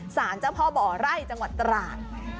สารเจ้าพ่อบ่อไร่จังหวัดตราด